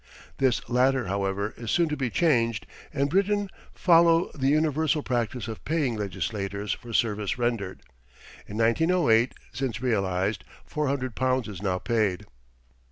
This latter, however, is soon to be changed and Britain follow the universal practice of paying legislators for service rendered. [In 1908; since realized; four hundred pounds is now paid.